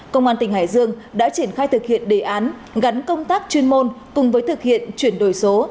công an tỉnh hải dương đã triển khai thực hiện đề án gắn công tác chuyên môn cùng với thực hiện chuyển đổi số